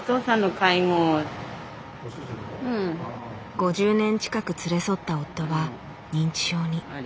５０年近く連れ添った夫は認知症に。